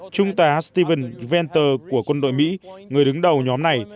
trung tài stephen venter của quân đội mỹ người đứng đầu nhóm này